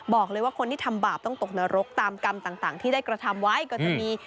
บอกเลยว่าคนที่ทำบาปต้องตกนรกตามกรรมต่างที่ได้กระทำไว้ก็จะมี